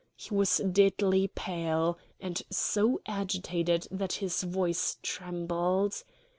He was deadly pale, and so agitated that his voice trembled.